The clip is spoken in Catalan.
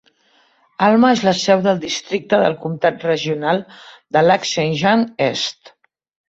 Alma és la seu dels districte del comtat regional de Lac-Saint-Jean-Est.